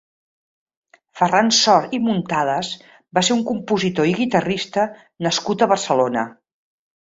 Ferran Sor i Muntades va ser un compositor i guitarrista nascut a Barcelona.